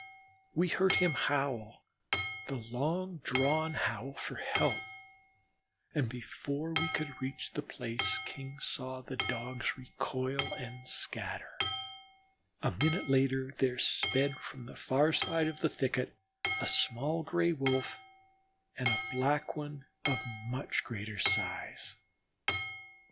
We heard him howl the long drawn howl for help, and before we could reach the place King saw the Dogs recoil and scatter. A minute later there sped from the far side of the thicket a small Gray wolf and a Black One of very much greater size.